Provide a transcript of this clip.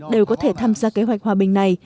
đều có thể tham gia kế hoạch hòa bình này